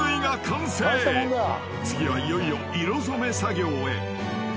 ［次はいよいよ色染め作業へ］